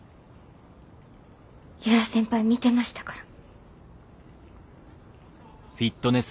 由良先輩見てましたから。